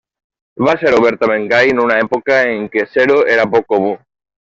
Va ser obertament gai en una època en què ser-ho era poc comú.